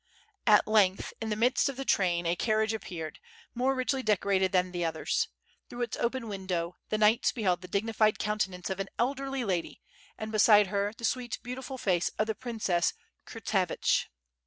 At lergth in the midst of the train a carriage appeared, more richly decorated th an the others. Through its open window the knights beheld the dignified counteance of aii elderly lady and beside her the sweet, beautiful face of the princess Kurtsevich.